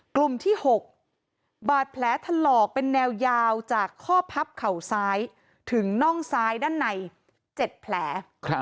กลุ่มที่๖บาดแผลถลอกเป็นแนวยาวจากข้อพับเข่าซ้ายถึงน่องซ้ายด้านใน๗แผล